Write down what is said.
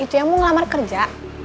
itu yang mau ngelamar kerja